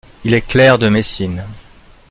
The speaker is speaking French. Il est clerc de Messine.